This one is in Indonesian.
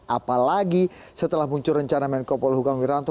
apalagi setelah muncul rencana menko polhukam wiranto